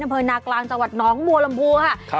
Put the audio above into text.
อำเภอนากลางจังหวัดน้องบัวลำพูค่ะ